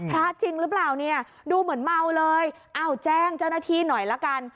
พระจริงหรือเปล่าเนี่ยดูเหมือนเมาเลยอ้าวแจ้งเจ้าหน้าที่หน่อยละกัน